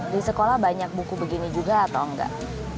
di sekolah banyak buku begini juga atau enggak